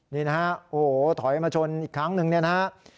นี่นะฮะโอ้โหถอยมาชนอีกครั้งหนึ่งเนี่ยนะฮะ